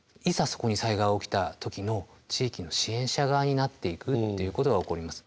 そこに災害起きた時の地域の支援者側になっていくっていうことが起こります。